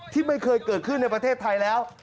ที่ไม่เคยเกิดขึ้นในประเทศไทยแล้ว